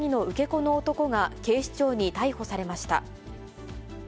子の男が警視庁に逮捕されました。